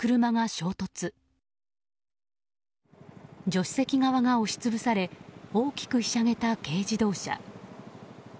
助手席側が押し潰され大きくひしゃげた軽自動車。